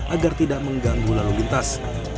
agar tidak mengganggu lalu lintas